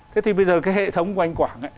thế thì bây giờ cái hệ thống của anh quảng ấy